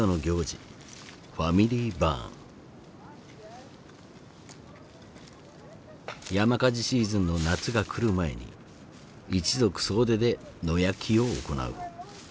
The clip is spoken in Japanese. ＦａｍｉｌｙＢｕｒｎ。山火事シーズンの夏が来る前に一族総出で野焼きを行う。